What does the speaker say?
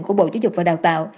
của bộ giáo dục và đào tạo